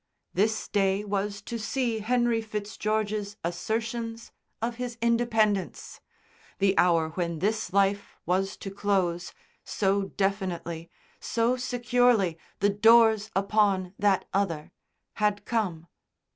This day was to see Henry Fitzgeorge's assertions of his independence. The hour when this life was to close, so definitely, so securely, the doors upon that other, had come.